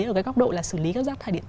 ở cái góc độ là xử lý